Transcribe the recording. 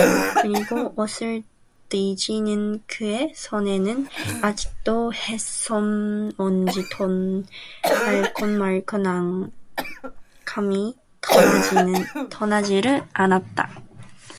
그리고 옷을 뒤지는 그의 손에는 아직도 햇솜을 만지던 말큰말큰한 감이 떠나지를 않았다.